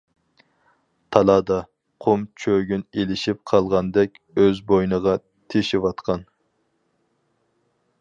تالادا، قۇم چۆگۈن ئىلىشىپ قالغاندەك ئۆز بوينىغا تېشىۋاتقان.